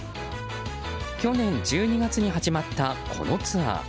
去年１２月に始まったこのツアー。